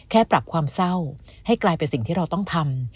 แค่ปรับความเศร้าให้กลายเป็นสิ่งที่เราต้องทำ